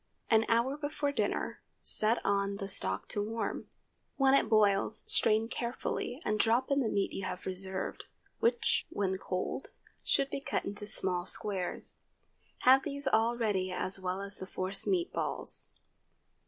An hour before dinner, set on the stock to warm. When it boils strain carefully, and drop in the meat you have reserved, which, when cold, should be cut into small squares. Have these all ready as well as the force meat balls.